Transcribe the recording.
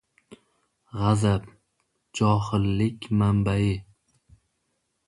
G‘azab — johillik manbai.